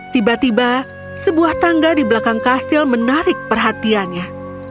tiba tiba sebuah tangga di belakang kastil menarik perhatiannya